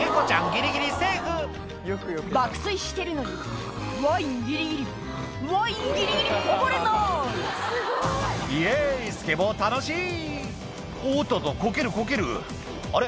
ギリギリセーフ爆睡してるのにワインギリギリワインギリギリこぼれない「イエイスケボー楽しい」「おっとっとこけるこけるあれ？